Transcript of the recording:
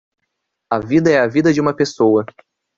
A vida é a vida de uma pessoa